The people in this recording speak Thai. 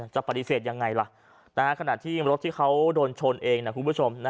จะปฏิเสธยังไงล่ะขณะที่รถที่เขาโดนชนเองนะคุณผู้ชม